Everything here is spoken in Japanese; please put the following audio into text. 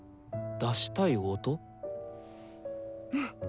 うん！